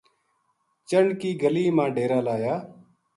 چنڈ کی گلی ما ڈیرا لایا